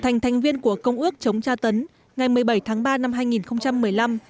thành thành viên của công ước chống tra tấn ngày một mươi bảy tháng ba năm hai nghìn một mươi năm